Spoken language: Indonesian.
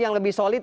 yang lebih solid